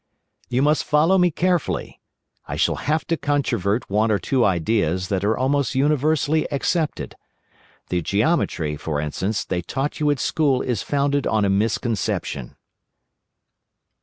"You must follow me carefully. I shall have to controvert one or two ideas that are almost universally accepted. The geometry, for instance, they taught you at school is founded on a misconception."